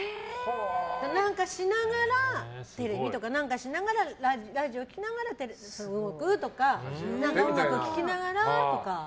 何かしながらテレビとか何かしながらラジオ聴きながら動くとか音楽聴きながらとか。